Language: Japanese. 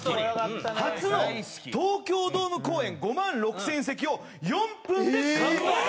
初の東京ドーム公演５万６０００席を４分で完売。